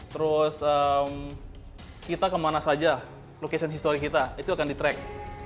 terus kita kemana saja location history kita itu akan di track